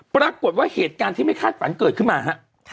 ปรากฏว่าเหตุการณ์ที่ไม่คาดฝันเกิดขึ้นมาฮะ